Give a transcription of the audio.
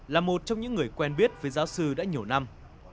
là một trong những người quen biết với giáo sư đã nhiều năm